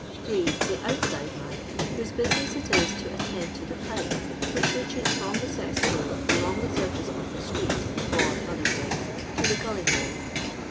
S, The outsideman, whose bunness it is to attend to the pipe, which reaches finom the cess pool, along the surface of the street, or other place, to the gullyhole.